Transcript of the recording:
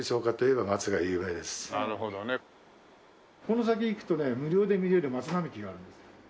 この先行くとね無料で見られる松並木があるんです。